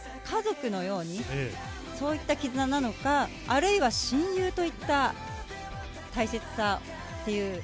家族のように、そういったきずななのか、あるいは親友といった大切さという。